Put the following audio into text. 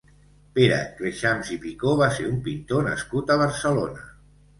Pere Créixams i Picó va ser un pintor nascut a Barcelona.